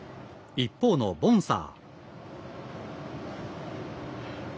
一方のボンサー。